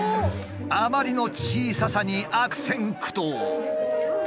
あまりの小ささに悪戦苦闘！